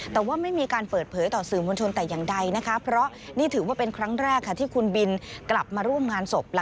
แต่ว่าไม่มีการเปิดเผยต่อสื่อมวลชนแต่อย่างใดนะคะ